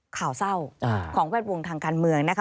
ข่าวเศร้าของแวดวงทางการเมืองนะคะ